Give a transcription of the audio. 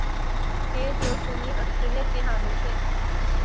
گے جو سنی اکثریت کے حامل ہیں؟